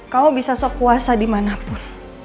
kamu bisa sok kuasa dimanapun